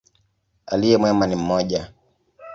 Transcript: Aliye mwema ni mmoja.